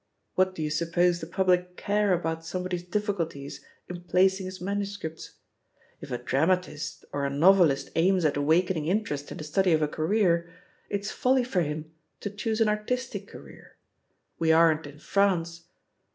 What do you suppose the public care about somebody's difficulties in placing hia manuscripts? If a dramatist or a novelist aims at awakening interest in the study of a career, it's 5878 THE POSITION OF PEGGY HARPER folly for him to choose an artistic career — we aren't in France.